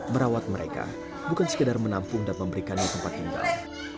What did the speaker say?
merawat mereka bukan sekedar menampung dan memberikannya tempat tinggal